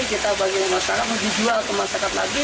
kita bagi masyarakat menjual ke masyarakat lagi